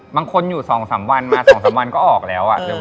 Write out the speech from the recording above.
บางคนอยู่๒๓วันมา๒๓วันก็ออกแล้ว